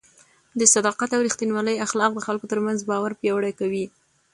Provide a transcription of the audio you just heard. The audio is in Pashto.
د صداقت او رښتینولۍ اخلاق د خلکو ترمنځ باور پیاوړی کوي.